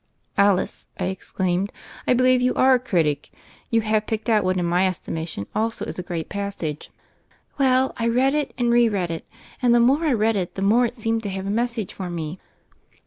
"Alice," I exclaimed, "I believe you are a critic. You have picked out what in my esti mation also is a great passage." "Well, I read it and re read it. And the more I read it the more it seemed to have a message for me."